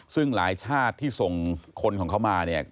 ซึ่งหลายชาติที่ส่งคนของเขามาเนี่ย